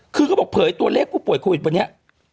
คือเขาบอกเผยตัวเลขผู้ป่วยโควิดวันนี้